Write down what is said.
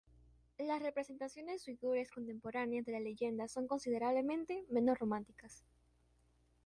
Las representaciones uigures contemporáneas de la leyenda son considerablemente menos románticas.